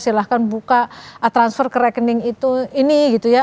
silahkan buka transfer ke rekening itu ini gitu ya